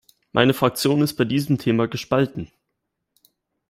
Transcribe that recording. Meine Fraktion ist bei diesem Thema gespalten.